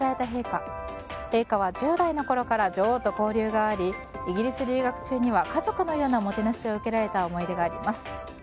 陛下は１０代のころから女王と交流がありイギリス留学中には家族のようなもてなしを受けられた思い出があります。